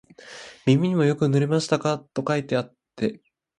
耳にもよく塗りましたか、と書いてあって、